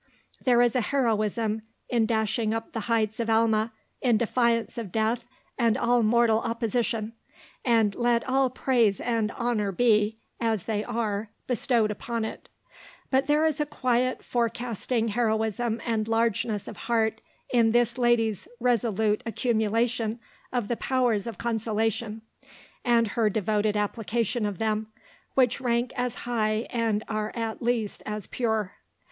There is a heroism in dashing up the heights of Alma in defiance of death and all mortal opposition, and let all praise and honour be, as they are, bestowed upon it; but there is a quiet forecasting heroism and largeness of heart in this lady's resolute accumulation of the powers of consolation, and her devoted application of them, which rank as high and are at least as pure.